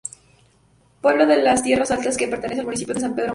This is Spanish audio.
Pueblo de la de Tierras Altas que pertenece al municipio de San Pedro Manrique.